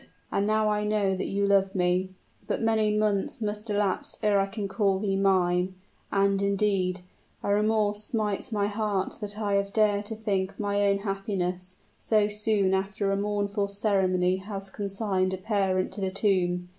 "And now I know that you love me! But many months must elapse ere I can call thee mine; and, indeed, a remorse smites my heart that I have dared to think of my own happiness, so soon after a mournful ceremony has consigned a parent to the tomb.